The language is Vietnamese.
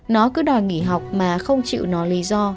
nó cứ đòi nghỉ học mà không chịu nó lý do